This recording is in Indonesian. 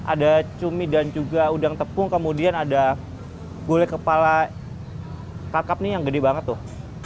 ada cumi dan juga udang tepung kemudian ada gulai kepala kakap nih yang gede banget tuh